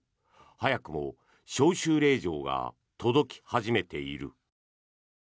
早くも招集令状が届き始めている。